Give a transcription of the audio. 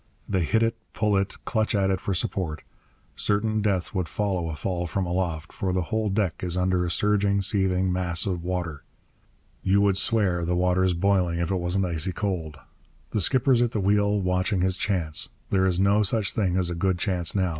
They hit it, pull it, clutch at it for support. Certain death would follow a fall from aloft; for the whole deck is hidden under a surging, seething mass of water. You would swear the water's boiling if it wasn't icy cold. The skipper's at the wheel, watching his chance. There is no such thing as a good chance now.